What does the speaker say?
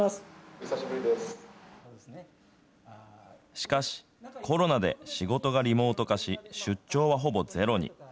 しかし、コロナで仕事がリモート化し、出張はほぼゼロに。